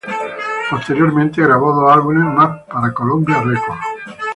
Posteriormente grabó dos álbumes más para Columbia Records.